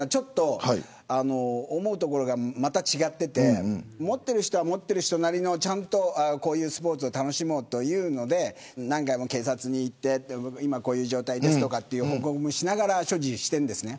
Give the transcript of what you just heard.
また事件があったのかというのは思うところが、また違ってて持っている人は持っている人なりのこういうスポーツを楽しもうというので何回も警察に行って今こういう状態ですとか報告をしながら所持しているんですね。